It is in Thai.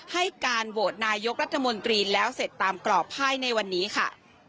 ให้การโหวตนายกรัฐมนตรีแล้วเสร็จตามกรอบภายในวันนี้ค่ะ